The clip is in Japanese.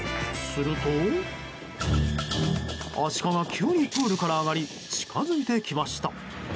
すると、アシカが急にプールから上がり近づいてきました。